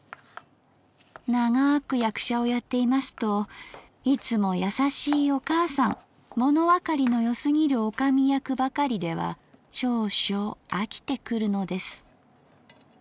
ながく役者をやっていますといつもやさしいお母さんものわかりのよすぎる女将役ばかりでは少々あきてくるのです」